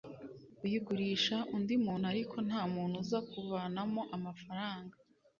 uyigurisha undi muntu ariko nta muntu uza kuvanamo amafaranga